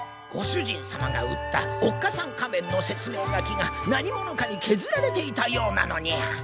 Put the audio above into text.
ご主人様が売ったおっかさん仮面の説明書きが何者かにけずられていたようなのにゃ。